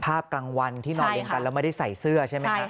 กลางวันที่นอนเรียนกันแล้วไม่ได้ใส่เสื้อใช่ไหมครับ